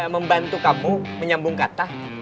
membantu kamu menyambung kata